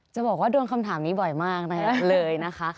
จะบอกว่าโดนคำถามนี้บ่อยมากนะคะเลยนะคะ